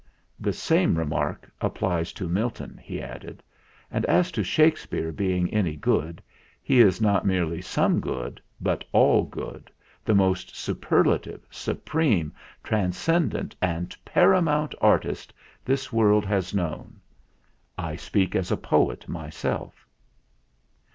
"The same remark applies to Milton," he added. "And as to Shakespeare being any good, he is not merely some good, but all good the most superlative, supreme trans cendent, and paramount artist this world has known. I speak as a poet myself.